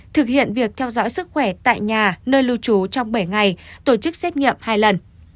thực hiện việc theo dõi sức khỏe tại nhà nơi lưu trú trong bảy ngày tổ chức xét nghiệm hai lần